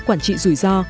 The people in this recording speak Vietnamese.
quản trị rủi ro